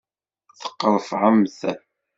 Teqqrefεemt.